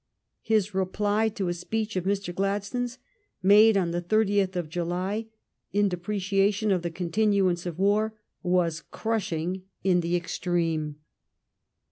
His reply to a speech of Mr. Oladstone's, made on the SOth of July, in depre cation of the continuance of war^ was crushing in the extreme.